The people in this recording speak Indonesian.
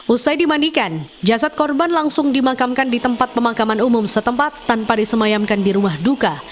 usai dimandikan jasad korban langsung dimakamkan di tempat pemakaman umum setempat tanpa disemayamkan di rumah duka